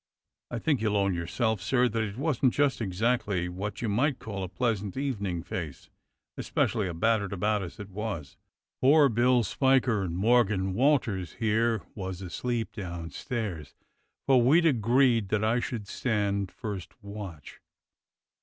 I think you'll own yourself, sir, that it wasn't just exactly wot you might call 'a pleas ant evening face' especially, a battered about as it was. Poor Bill Spiker and Morgan Walters here was asleep downstairs, for we'd agreed that I should stand first watch.